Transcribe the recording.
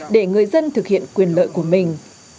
để người dân thực hiện quyền lợi của mình